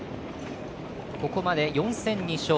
ここまで４戦２勝。